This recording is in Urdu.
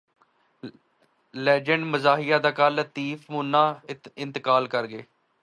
لیجنڈ مزاحیہ اداکار لطیف منا انتقال کر گئے